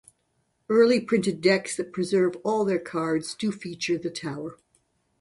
Early printed decks that preserve all their cards do feature The Tower.